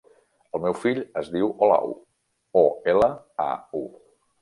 El meu fill es diu Olau: o, ela, a, u.